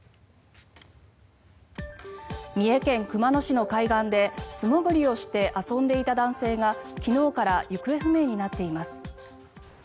三重県熊野市の海岸で素潜りをして遊んでいた男性が昨日から行方不明になっています。